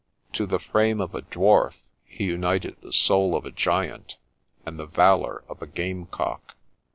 To the frame of a dwarf he united the soul of a giant, and the valour of a gamecock.